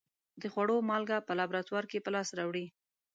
د خوړو مالګه په لابراتوار کې په لاس راوړي.